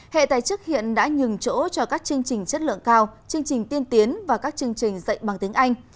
hệ tài chức hiện đã nhường chỗ cho các chương trình chất lượng cao chương trình tiên tiến và các chương trình dạy bằng tiếng anh